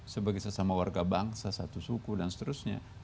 sebagai sesama warga bangsa satu suku dan seterusnya